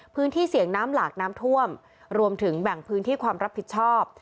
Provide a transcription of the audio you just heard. พื้นที่เสี่ยงน้ำหลากน้ำท่วมรวมถึงแบ่งพื้นที่ความรับผิดชอบ